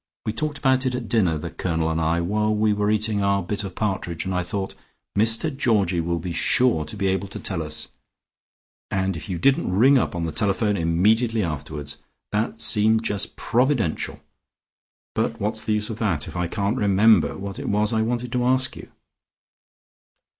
We talked about it at dinner, the Colonel and I, while we were eating our bit of partridge, and I thought 'Mr Georgie will be sure to be able to tell us,' and if you didn't ring up on the telephone immediately afterwards! That seemed just Providential, but what's the use of that, if I can't remember what it was that I wanted to ask you."